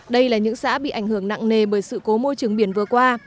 đây là những xã bị ảnh hưởng nặng nề bởi sự cố môi trường biển vừa qua